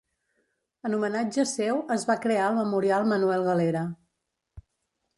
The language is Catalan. En homenatge seu es va crear el Memorial Manuel Galera.